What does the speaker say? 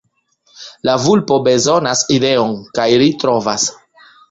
La vulpo bezonas ideon... kaj ri trovas!